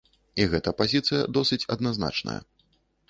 І гэта пазіцыя досыць адназначная.